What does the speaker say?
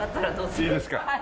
いいですか。